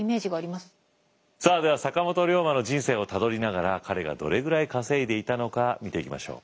さあでは坂本龍馬の人生をたどりながら彼がどれぐらい稼いでいたのか見ていきましょう。